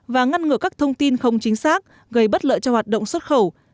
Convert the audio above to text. và ngăn ngừa các thông tin không chính xác gây bất lợi cho hoạt động xuất khẩu